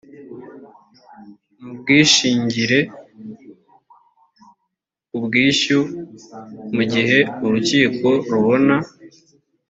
n ubwishingire ku bwishyu mu gihe urukiko rubona